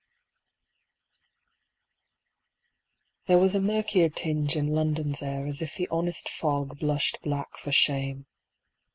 There was a murkier tinge in London's air As if the honest fog blushed black for shame.